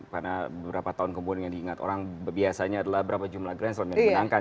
karena beberapa tahun kemudian yang diingat orang biasanya adalah berapa jumlah grand slam yang di menangkan